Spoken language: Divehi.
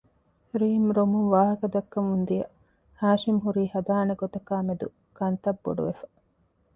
ރީމް ރޮމުން ވާހަކަ ދައްކަމުން ދިޔަ ހާޝިމް ހުރީ ހަދާނެ ގޮތަކާއި މެދު ކަންތައް ބޮޑުވެފަ